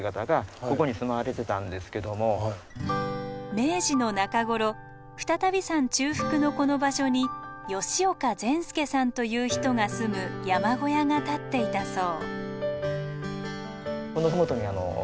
明治の中頃再度山中腹のこの場所に吉岡善助さんという人が住む山小屋が立っていたそう。